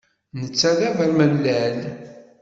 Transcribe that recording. Netta d abermellal.